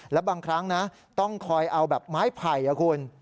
แล้วบางครั้งนะต้องคอยเอาแบบไม้ไผ่คุณ